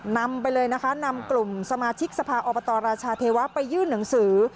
นำไปเลยนะคะนำกลุ่มสมาชิกสภาอบตราชาเทวะไปยื่นหนังสือ